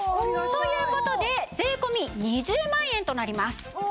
という事で税込２０万円となります。